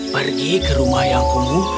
pergi ke rumah yang kumuh